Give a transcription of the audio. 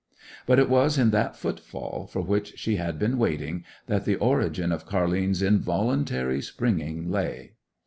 But it was in that footfall, for which she had been waiting, that the origin of Car'line's involuntary springing lay.